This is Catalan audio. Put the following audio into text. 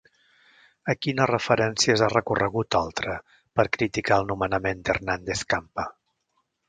A quines referències ha recorregut Oltra per criticar el nomenament d'Hernández Campa?